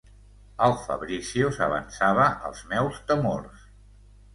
El Fabrizio s'avançava als meus temors...